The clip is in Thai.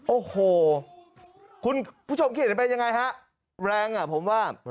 โอ้โหคุณผู้ชมเขียนไปยังไงฮะแรงอ่ะผมว่า